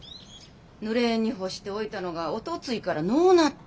ぬれ縁に干しておいたのがおとついからのうなった。